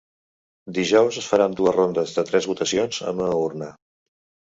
Dijous es faran dues rondes de tres votacions en una urna.